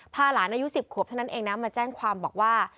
พาหลานอายุ๑๐ขวบเท่านั้นเองนะมาแจ้งความบอกว่า